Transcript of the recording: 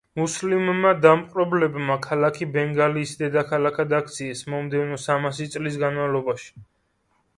მუსლიმმა დამპყრობლებმა ქალაქი ბენგალიის დედაქალაქად აქციეს მომდევნო სამასი წლის განმავლობაში.